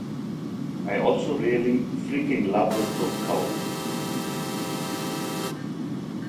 I also really freaking love this book cover.